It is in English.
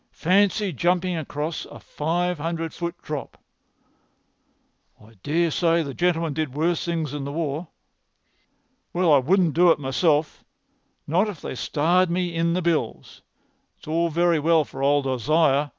"Fancy jumping across a five hundred foot drop!" "I dare say the gentleman did worse things in the war." "Well, I wouldn't do it myself—not if they starred me in the bills. It's all very well for old Isaiah.